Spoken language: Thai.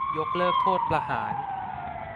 ยกเลิกโทษประหาร ?